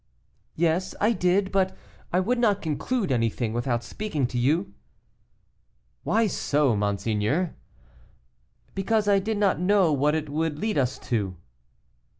"Yes, I did; but I would not conclude anything without speaking to you." "Why so, monseigneur?" "Because I did not know what it would lead us to."